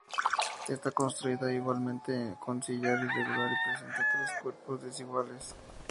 Está construida igualmente con sillar irregular y presenta tres cuerpos desiguales.